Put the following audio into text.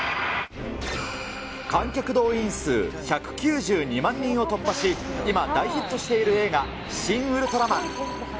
観客動員数１９２万人を突破し、今、大ヒットしている映画、シン・ウルトラマン。